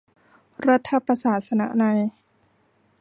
รัฐประศาสนนัย